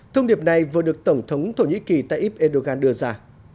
thông điệp này vừa được tổng thống thổ nhĩ kỳ tayyip erdogan đưa ra